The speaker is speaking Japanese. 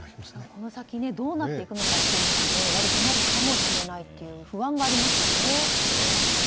この先どうなっていくのかは悪くなるかもしれないという不安もありますよね。